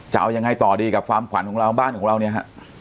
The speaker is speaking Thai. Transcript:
จะเอายังไงต่อดีกับความขวัญบ้านของเรา